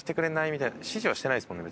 みたいな指示はしてないですもんね